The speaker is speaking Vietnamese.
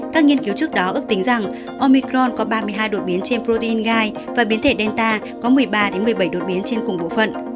các nghiên cứu trước đó ước tính rằng omicron có ba mươi hai đột biến trên protein gai và biến thể delta có một mươi ba một mươi bảy đột biến trên cùng bộ phận